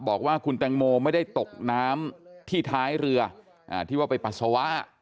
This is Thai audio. บอกว่าคุณแตงโมไม่ได้ตกน้ำที่ท้ายเรือที่ว่าไปปัสสาวะ